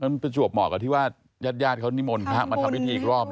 มันเป็นจวบเหมาะกับที่ว่ายาดเขามีมนต์มาทำพิธีอีกรอบ